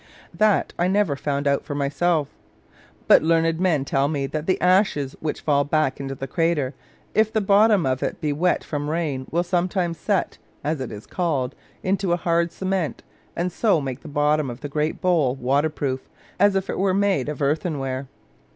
That I never found out for myself. But learned men tell me that the ashes which fall back into the crater, if the bottom of it be wet from rain, will sometimes "set" (as it is called) into a hard cement; and so make the bottom of the great bowl waterproof, as if it were made of earthenware.